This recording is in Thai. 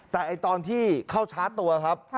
แต่ตอนที่เข้าชาร์จตัวครับ